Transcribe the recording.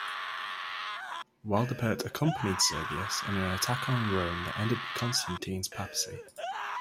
Waldipert accompanied Sergius in an attack on Rome that ended Constantine's papacy.